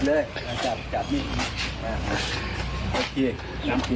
เอาขายลูก